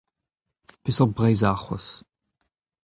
Peseurt Breizh arcʼhoazh ?